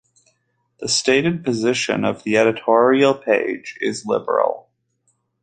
The stated position of the editorial page is liberal.